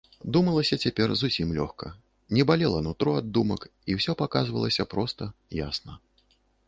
Думалася цяпер зусім лёгка, не балела нутро ад думак, і ўсё паказвалася проста, ясна.